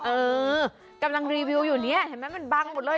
เออกำลังรีวิวอยู่เนี่ยเห็นไหมมันบังหมดเลย